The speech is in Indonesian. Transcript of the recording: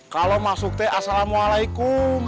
kalo masuk teh assalamualaikum